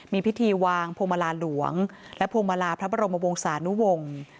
มีพิธีวางโผมลาหลวงและโผมลาพระบรมวงศานุวง